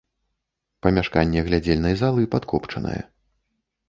Памяшканне глядзельнай залы падкопчанае.